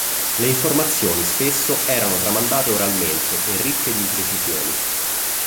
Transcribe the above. Le informazioni, spesso, erano tramandate oralmente e ricche di imprecisioni.